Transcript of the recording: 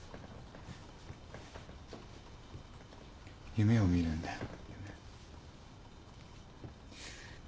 夢を見るんだよ。